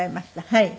はい。